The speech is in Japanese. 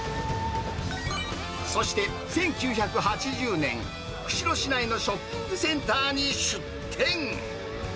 そして１９８０年、釧路市内のショッピングセンターに出店。